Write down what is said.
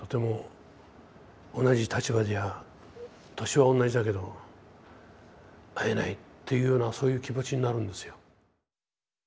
年は同じだけど会えないっていうようなそういう気持ちになるんですよ。